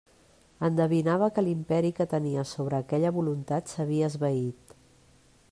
Endevinava que l'imperi que tenia sobre aquella voluntat s'havia esvaït.